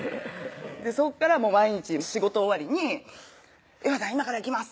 そこから毎日仕事終わりに「有果さん今から行きます」